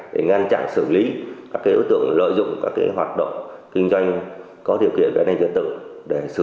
để ngăn chặn xử lý các ưu tượng lợi dụng các hoạt động kinh doanh có điều kiện về an ninh dân tự để sử